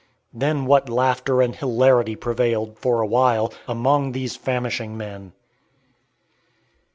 Then what laughter and hilarity prevailed, for a while, among these famishing men!